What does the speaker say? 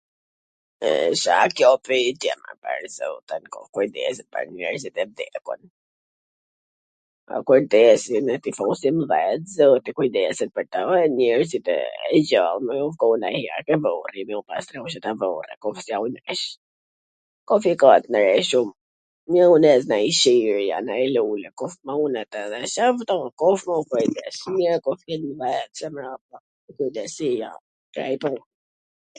E C a kjo pytje mor pwr zotin, kujdesi pwr njerzit e vdekun. Po kujdesi, ne t i fusim n dhet, zoti kujsdeset pwr to, njerzit e gjall me u shku ndonjher ke vorri, me u pastru qato vorre t jau ndreq kush e ka t ndfrequn, me u nez nanj qiri, a nanj lule, kush munet edhe shef dokush ...